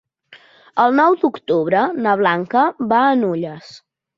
El nou d'octubre na Blanca va a Nulles.